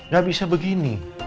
gak bisa begini